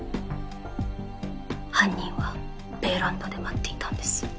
犯人はベランダで待っていたんです。